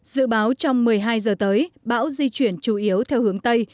dự báo trong một mươi hai giờ tới bão di chuyển chủ yếu theo hướng tây